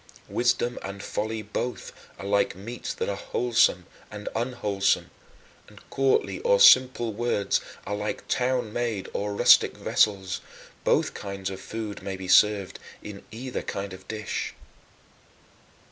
Wisdom and folly both are like meats that are wholesome and unwholesome, and courtly or simple words are like town made or rustic vessels both kinds of food may be served in either kind of dish.